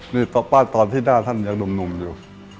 นี่ป้ายตอนที่หน้าท่านยังหนุ่มอยู่